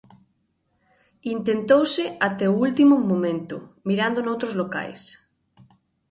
Intentouse até o último momento mirando noutros locais.